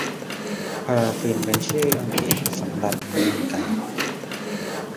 พาราฟินเป็นชื่ออังกฤษสำหรับน้ำมันก๊าด